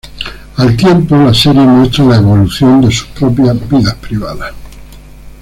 Al tiempo la serie muestra la evolución de sus propias vidas privadas.